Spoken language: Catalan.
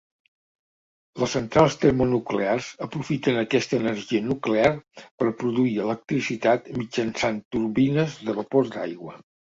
Les centrals termonuclears aprofiten aquesta energia nuclear per produir electricitat mitjançant turbines de vapor d'aigua.